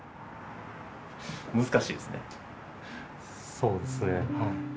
そうですね。